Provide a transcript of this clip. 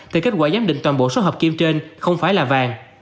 thì kết quả giám định toàn bộ số hộp kim trên không phải là vàng